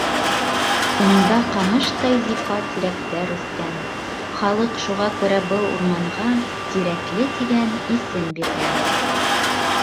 Унда ҡамыштай зифа тирәктәр үҫкән, халыҡ шуға күрә был урманға Тирәкле тигән исем биргән.